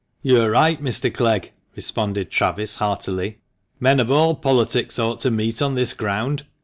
" You are right, Mr. Clegg," responded Travis, heartily. " Men of all politics ought to meet on this ground.